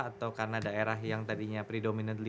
atau karena daerah yang tadinya predominately